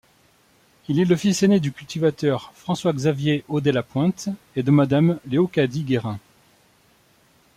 Il est le fils aîné du cultivateur François-Xavier Audet-Lapointe et de madame Léocadie Guérin.